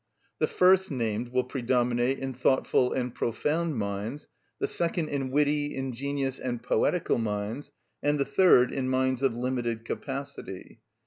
The first named will predominate in thoughtful and profound minds, the second in witty, ingenious, and poetical minds, and the third in minds of limited capacity.